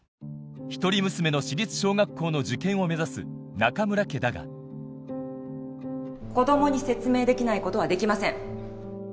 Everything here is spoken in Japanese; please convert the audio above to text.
一人娘の私立小学校の受験を目指す中村家だが子供に説明できないことはできません。